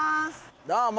どうも。